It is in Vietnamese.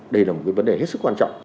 đây là một vấn đề hết sức